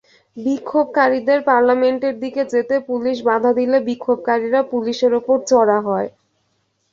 বিক্ষোভকারীদের পার্লামেন্টের দিকে যেতে পুলিশ বাধা দিলে বিক্ষোভকারীরা পুলিশের ওপর চড়া হয়।